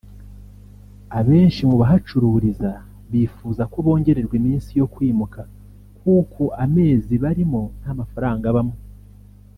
Abenshi mu bahacururiza bifuza ko bongererwa iminsi yo kwimuka kuko amezi barimo nta mafaranga abamo